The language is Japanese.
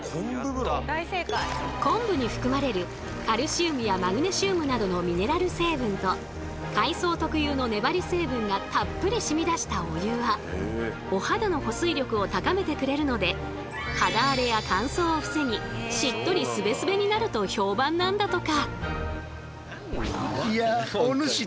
昆布に含まれるカルシウムやマグネシウムなどのミネラル成分と海藻特有の粘り成分がたっぷりしみ出したお湯はお肌の保水力を高めてくれるので肌荒れや乾燥を防ぎしっとりすべすべになると評判なんだとか。